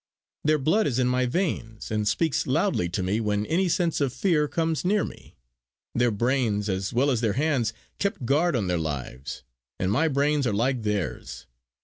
Their blood is in my veins, and speaks loudly to me when any sense of fear comes near me. Their brains, as well as their hands, kept guard on their lives; and my brains are like theirs.